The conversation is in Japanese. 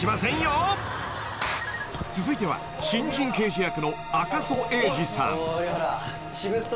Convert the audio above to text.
［続いては新人刑事役の赤楚衛二さん］